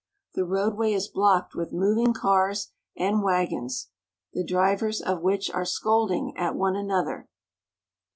The roadway is blocked with moving cars and wagons, the drivers of which are scolding at one an other.